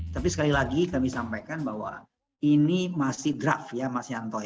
tapi sekali lagi kami sampaikan bahwa ini masih draft ya mas yanto ya